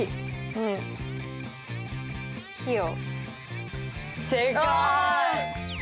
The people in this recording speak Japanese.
うん。費用。